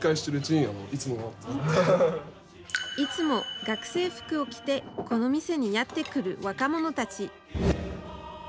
学生服を着てこの店にやって来る若者たち。